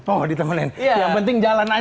oh ditemuin yang penting jalan aja